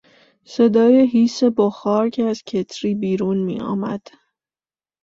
صدای هیس بخار که از کتری بیرون میآمد